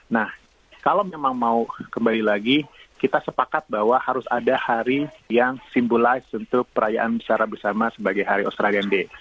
nah kalau memang mau kembali lagi kita sepakat bahwa harus ada hari yang simbolize untuk perayaan secara bersama sebagai hari australian day